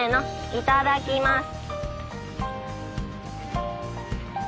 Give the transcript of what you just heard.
いただきます。